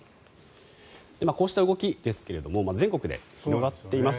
こうした動きですが全国で広がっています。